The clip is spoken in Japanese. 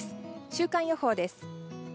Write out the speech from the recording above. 週間予報です。